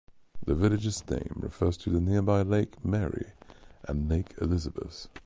The village's name refers to the nearby Lake Mary and Lake Elizabeth.